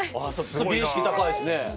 美意識、高いですね。